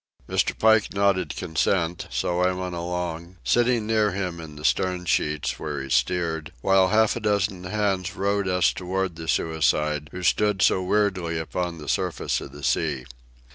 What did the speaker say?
Mr. Pike nodded consent, so I went along, sitting near him in the stern sheets where he steered, while half a dozen hands rowed us toward the suicide, who stood so weirdly upon the surface of the sea.